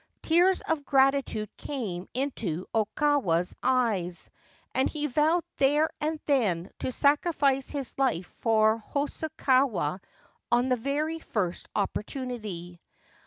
Tears of gratitude came into Okawa's eyes, and he vowed there and then to sacrifice his life for Hosokawa on the very first opportunity.